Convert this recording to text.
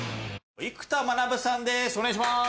生田学さんです。